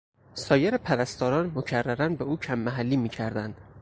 سایر پرستاران مکررا به او کم محلی میکردند.